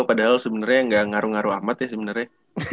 padahal sebenarnya nggak ngaruh ngaruh amat ya sebenarnya